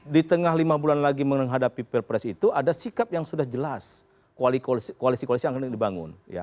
di tengah lima bulan lagi menghadapi pilpres itu ada sikap yang sudah jelas koalisi koalisi yang akan dibangun